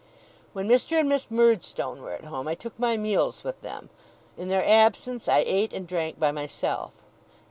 When Mr. and Miss Murdstone were at home, I took my meals with them; in their absence, I ate and drank by myself.